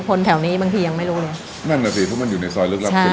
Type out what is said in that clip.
แถวนี้บางทียังไม่รู้เลยนั่นน่ะสิเพราะมันอยู่ในซอยลึกลับ